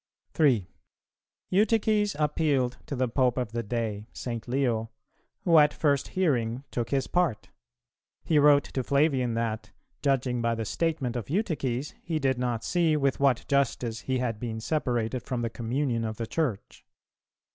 3. Eutyches appealed to the Pope of the day, St. Leo, who at first hearing took his part. He wrote to Flavian that, "judging by the statement of Eutyches, he did not see with what justice he had been separated from the communion of the Church."